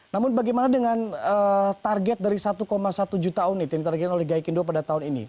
namun bagaimana dengan target dari satu satu juta unit yang ditargetkan oleh gaikindo pada tahun ini